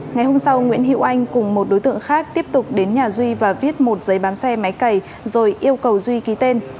ngày hôm sau nguyễn hữu anh cùng một đối tượng khác tiếp tục đến nhà duy và viết một giấy bán xe máy cày rồi yêu cầu duy ký tên